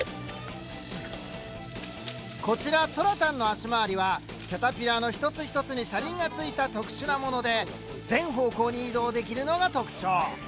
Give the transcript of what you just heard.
こちら「虎タン」の脚回りはキャタピラーの一つ一つに車輪がついた特殊なもので全方向に移動できるのが特徴。